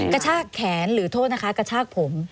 กระชากแขนหรือโทษนะคะกระชากผม